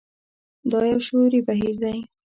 دا يو شعوري بهير دی.